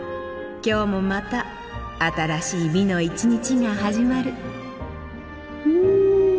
今日もまた新しい美の一日が始まる。